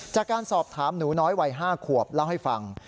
จากการสอบถามหนูน้อยวัย๕ขวบเล่าให้ฟัง